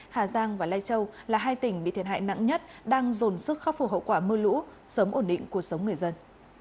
hà giang và lai châu là hai tỉnh bị thiệt hại nặng nhất đang dồn sức khắc phục hậu quả mưa lũ sớm ổn định cuộc sống người dân